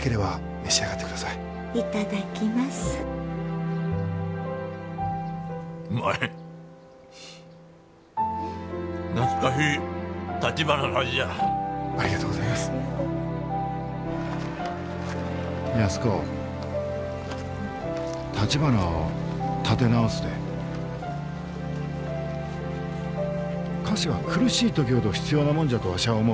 菓子は苦しい時ほど必要なもんじゃとわしゃあ思う。